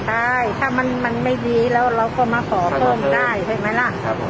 ได้ถ้ามันไม่ดีแล้วเราก็มาขอเพิ่มได้ใช่ไหมล่ะ